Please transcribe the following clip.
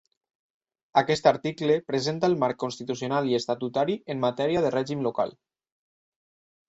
Aquest article presenta el marc constitucional i estatutari en matèria de règim local.